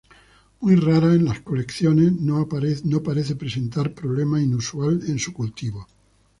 Muy rara en las colecciones; no parece presentar problema inusual en su cultivo.